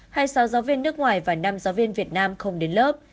hai mươi sáu giáo viên nước ngoài và năm giáo viên việt nam không đến lớp